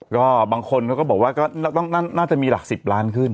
ก็บางคนเขาก็บอกว่าก็น่าจะมีหลัก๑๐ล้านขึ้น